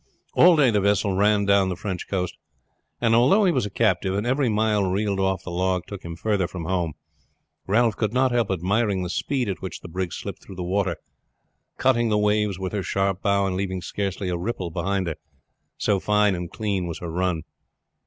All day the vessel ran down the French coast; and although he was a captive, and every mile reeled off the log took him further from home, Ralph could not help admiring the speed at which the brig slipped through the water, cutting the waves with her sharp bow and leaving scarcely a ripple behind her, so fine and clean was her run.